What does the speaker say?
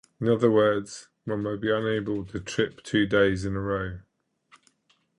In other words, one may be unable to 'trip' two days in a row.